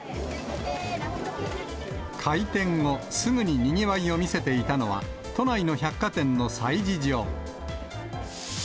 開店後、すぐににぎわいを見せていたのは、都内の百貨店の催事場。